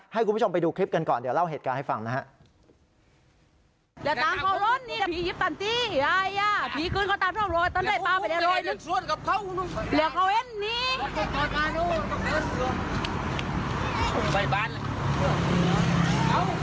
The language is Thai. ให้คุณผู้ชมไปดูคลิปกันก่อนเดี๋ยวเล่าเหตุการณ์ให้ฟังนะครับ